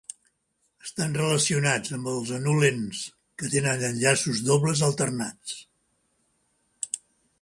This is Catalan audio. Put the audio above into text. Estan relacionats amb els anulens que tenen enllaços dobles alternats.